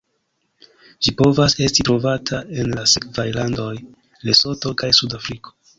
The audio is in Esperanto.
Ĝi povas esti trovata en la sekvaj landoj: Lesoto kaj Sudafriko.